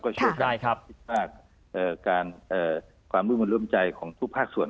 ก็ช่วยมากความร่วมร่วมใจของทุกภาคส่วน